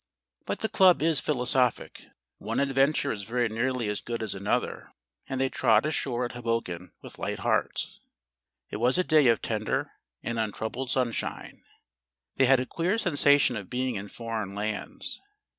But the club is philosophic. One Adventure is very nearly as good as another, and they trod ashore at Hoboken with light hearts. It was a day of tender and untroubled sunshine. They had a queer sensation of being in foreign lands.